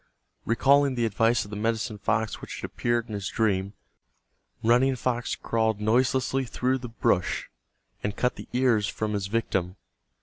Recalling the advice of the medicine fox which had appeared in his dream, Running Fox crawled noiselessly through the brush, and cut the ears from his victim.